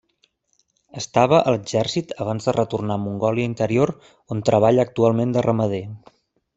Estava a l'exèrcit abans de retornar a Mongòlia Interior, on treballa actualment de ramader.